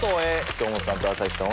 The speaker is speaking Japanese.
京本さんと朝日さん